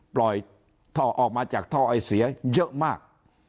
ปล่อยท่อออกมาจากท่อไอเสียเยอะมาก